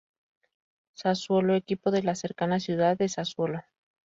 Sassuolo, equipo de la cercana ciudad de Sassuolo.